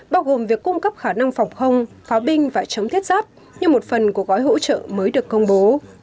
bao gồm việc cung cấp khả năng phòng không pháo binh và chống thiết giáp như một phần của gói hỗ trợ mới được công bố